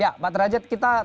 ya pak derajat kita